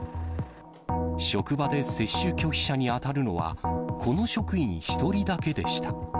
職場で接種拒否者に当たるのは、この職員１人だけでした。